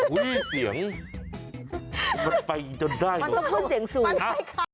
อุ๊ยเสียงมันไปจะได้หรือเปล่า